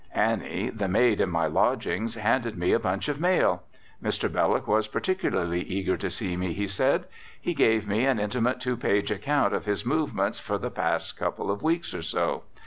Annie, the maid at my lodgings, handed me a bunch of mail. Mr. Belloc was particularly eager to see me, he said. He gave me an intimate two page account of his movements for the past couple of weeks or so.